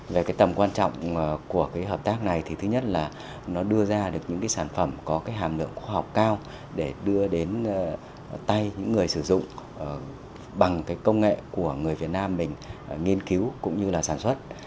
về cái tầm quan trọng của cái hợp tác này thì thứ nhất là nó đưa ra được những cái sản phẩm có cái hàm lượng khoa học cao để đưa đến tay những người sử dụng bằng cái công nghệ của người việt nam mình nghiên cứu cũng như là sản xuất